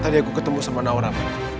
tadi aku ketemu sama naura